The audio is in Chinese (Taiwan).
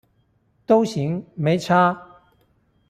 都行，沒差